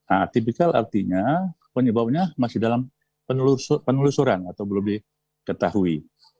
atipikal artinya penyebabnya masih dalam penelusuran atau belum diketahui